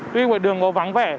tuy ngoài đường nó vắng vẻ